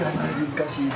難しい！